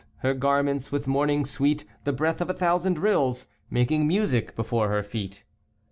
Her garments with morning sweet. The breath of a thousand rills Making music before her feet.